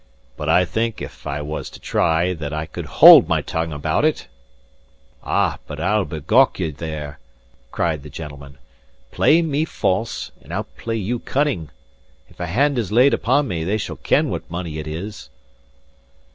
"But I think, if I was to try, that I could hold my tongue about it." "Ah, but I'll begowk* ye there!" cried the gentleman. "Play me false, and I'll play you cunning. If a hand is laid upon me, they shall ken what money it is."